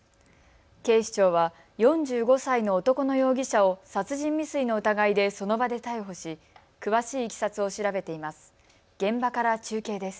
警視庁は４５歳の男の容疑者を殺人未遂の疑いでその場で逮捕し詳しいいきさつを調べています。